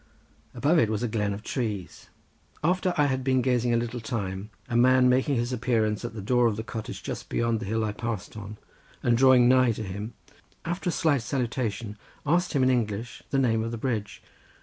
Above it was a glen with trees. After I had been gazing a little time a man making his appearance at the door of the cottage just beyond the bridge, I passed on, and drawing nigh to him, after a slight salutation, asked him in English the name of the bridge.